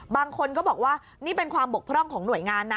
บางคนก็บอกว่านี่เป็นความบกพร่องของหน่วยงานนะ